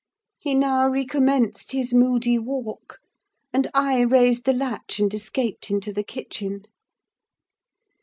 He now recommenced his moody walk, and I raised the latch, and escaped into the kitchen.